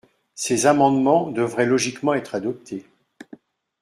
Ces amendements devraient logiquement être adoptés.